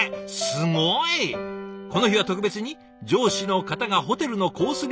すごい！この日は特別に上司の方がホテルのコース